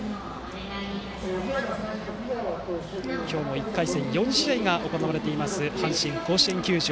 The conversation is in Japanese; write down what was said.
今日も１回戦、４試合が行われています阪神甲子園球場。